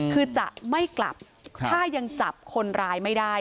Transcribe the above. คือจะไม่กลับถ้ายังจับคนร้ายไม่ได้